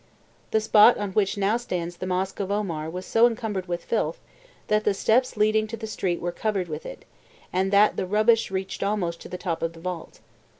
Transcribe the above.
The spot on which now stands the Mosque of Omar was so encumbered with filth that the steps leading to the street were covered with it, and that the rubbish reached almost to the top of the vault.